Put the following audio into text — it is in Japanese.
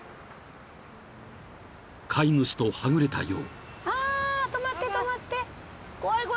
［飼い主とはぐれたよう］